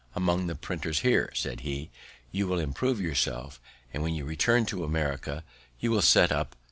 "Among the printers here," said he, "you will improve yourself, and when you return to America, you will set up to greater advantage."